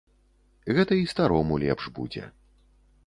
Гэта і старому лепш будзе.